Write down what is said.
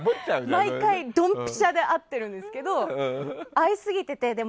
毎回ドンピシャで合ってるんですけど合いすぎてて。